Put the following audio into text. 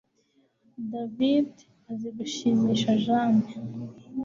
David azi gushimisha Jane